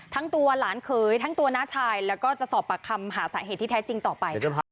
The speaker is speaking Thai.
ทั้งตัวหลานเขยทั้งตัวน้าชายแล้วก็จะสอบปากคำหาสาเหตุที่แท้จริงต่อไป